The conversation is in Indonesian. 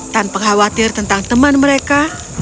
tanpa khawatir tentang teman mereka